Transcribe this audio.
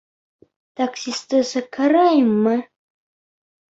Таксисты саҡырайыммы?